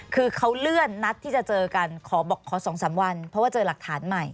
คือเขาเลื่อนนัดที่จะเจอกันขอบอกขอ๒๓วันเพราะว่าเจอหลักฐานใหม่